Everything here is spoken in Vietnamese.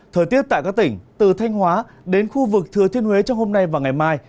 thời tiết tại các tỉnh từ thanh hóa đến khu vực thừa thiên huế trong hôm nay và ngày mai